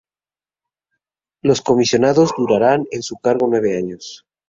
Los comisionados durarán en su encargo nueve años.